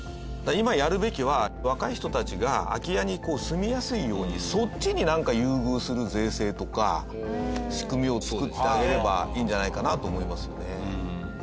今やるべきは若い人たちが空き家に住みやすいようにそっちになんか優遇する税制とか仕組みを作ってあげればいいんじゃないかなと思いますよね。